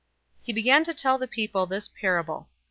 020:009 He began to tell the people this parable.